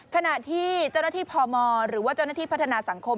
ขณะที่เจ้าหน้าที่พมหรือว่าเจ้าหน้าที่พัฒนาสังคม